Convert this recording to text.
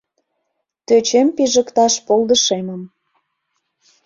Тӧчем пижыкташ полдышемым